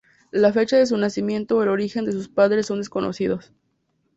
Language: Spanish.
La fecha de su nacimiento o el origen de sus padres son desconocidos.